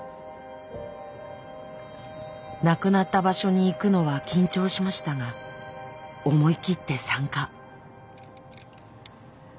亡くなった場所に行くのは緊張しましたが思い切って参加。